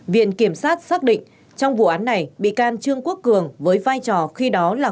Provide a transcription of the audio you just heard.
viện kiểm sát xác định trong vụ án này bị can trương quốc cường với vai trò khi đó là